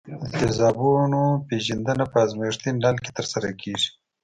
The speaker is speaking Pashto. د تیزابونو پیژندنه په ازمیښتي نل کې ترسره کیږي.